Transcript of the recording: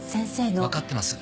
わかってます。